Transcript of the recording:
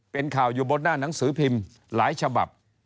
เป็นข่าวอยู่บนหน้าหนังสือพิมพ์หลายฉบับ